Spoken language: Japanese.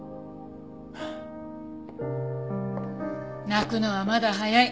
泣くのはまだ早い。